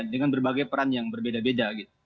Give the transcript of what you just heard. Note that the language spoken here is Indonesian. dengan berbagai peran yang berbeda beda